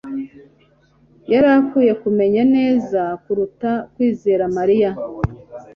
yari akwiye kumenya neza kuruta kwizera Mariya